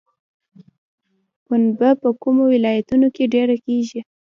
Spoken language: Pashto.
پنبه په کومو ولایتونو کې ډیره کیږي؟